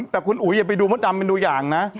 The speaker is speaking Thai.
แต่คุณอุ๋ยอย่าไปดูมดดำเป็นตัวอย่างนะ